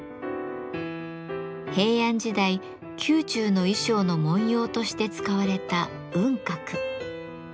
平安時代宮中の衣装の文様として使われた「雲鶴」。